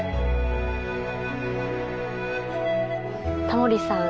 タモリさん